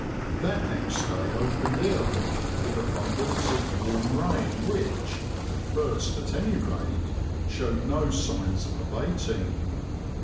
That next day opened ill, with abundance of warm rain which, at first at any rate, showed no signs of abating.